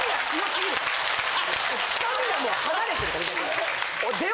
掴みがもう離れてるから逆に。